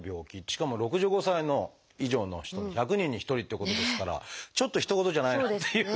しかも６５歳以上の人の１００人に１人っていうことですからちょっとひと事じゃないなっていう。